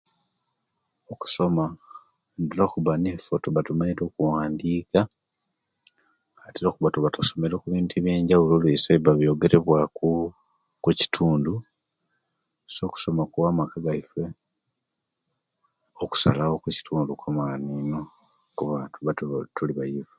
Okusoma tutera okuba niffe otumaite okuwandika tutera okkubba twasomereku ebintu ebyenjawulo oluisi ebiba byogerewaku kukitundu so okusoma kuwa amaka gaife okusalawo kukitundu kwamani ino okuba tuba tuliba